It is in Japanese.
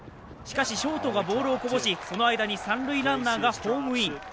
しかし、ショートがボールをこぼしその間に三塁ランナーがホームイン。